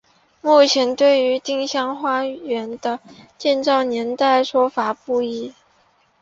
目前对于丁香花园的建造年代说法不一。